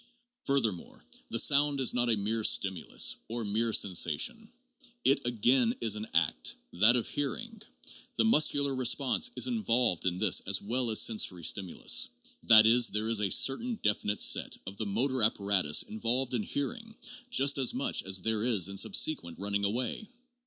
Furthermore, the sound is not a mere stimulus, or mere sensation ; it again is an act, that of hearing. The muscular response is involved in this as well as sensory stimulus; that is, there is a certain definite set of the motor apparatus in volved in hearing just as much as there is in subsequent run ning away.